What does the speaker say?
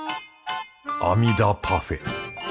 あみだパフェ。